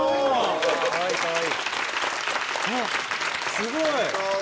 すごい！